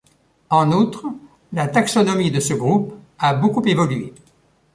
En outre la taxonomie de ce groupe a beaucoup évolué.